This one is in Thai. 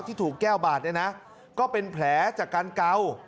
ที่ถูกแก้วบาดเนี่ยนะก็เป็นแผลจากการเกา